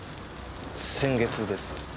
先月です。